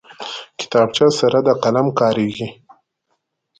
کتابچه سره د قلم کارېږي